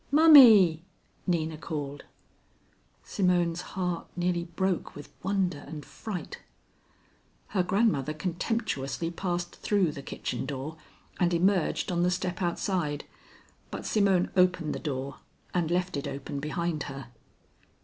"Mommy," Nina called. Simone's heart nearly broke with wonder and fright. Her grandmother contemptuously passed through the kitchen door and emerged on the step outside, but Simone opened the door and left it open behind her.